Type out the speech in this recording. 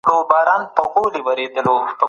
د محتوا له مخي څېړني جلا بڼې لري.